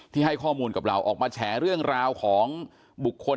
ให้ข้อมูลกับเราออกมาแฉเรื่องราวของบุคคล